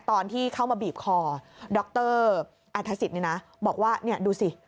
ตอนที่เข้ามาบีบคอดรอัลทัสิย์นะบอกว่าเนี่ยมองดูสิ